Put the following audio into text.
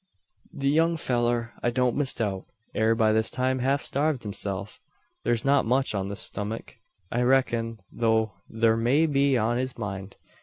The young fellur, I don't misdoubt, air by this time half starved hisself. Thur's not much on his stummuk, I reck'n, though thur may be on his mind.